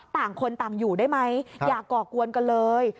ต่างคนต่างอยู่ได้ไหมอย่าก่อกวนกันเลย